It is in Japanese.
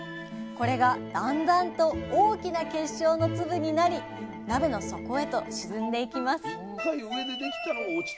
これがだんだんと大きな結晶の粒になり鍋の底へと沈んでいきます